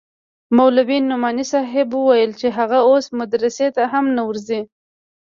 مولوي نعماني صاحب وويل چې هغه اوس مدرسې ته هم نه ورځي.